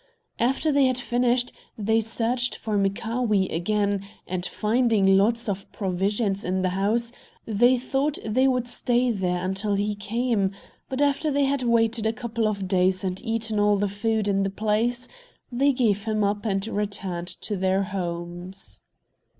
After they had finished, they searched for Mchaawee again, and finding lots of provisions in the house, they thought they would stay there until he came; but after they had waited a couple of days and eaten all the food in the place, they gave him up and returned to their homes.